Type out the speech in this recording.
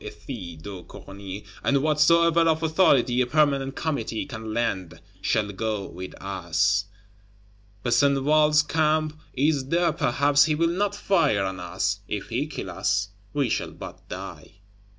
Ethys de Corny, and whatsoever of authority a Permanent Committee can lend, shall go with us. Besenval's Camp is there; perhaps he will not fire on us; if he kill us, we shall but die.